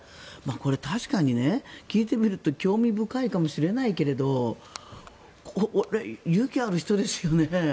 これ、確かに聞いてみると興味深いかもしれないけど勇気ある人ですよね。